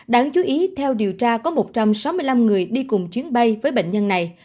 đáng chú ý theo điều tra có một trăm sáu mươi năm người đi cùng chuyến bay với bệnh nhân này